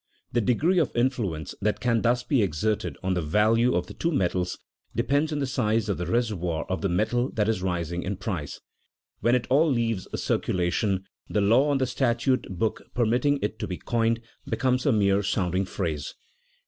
The degree of influence that can thus be exerted on the value of the two metals depends on the size of the reservoir of the metal that is rising in price. When it all leaves circulation, the law on the statute book permitting it to be coined becomes a mere sounding phrase.